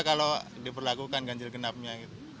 kalau diperlakukan ganjil genapnya